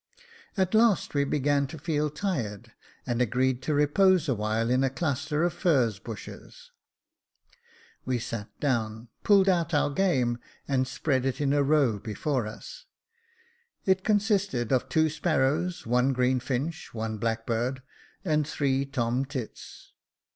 At last we began to feel tired, and agreed to repose a while in a cluster of furze bushes. Jacob Faithful 171 We sat down, pulled out our game, and spread it in a row before us. It consisted of two sparrows, one greenfinch, one blackbird, and three tomtits.